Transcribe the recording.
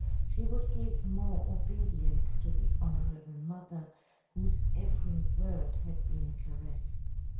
She would give more obedience to the honorable mother, whose every word had been a caress.